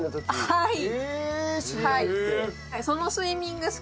はい。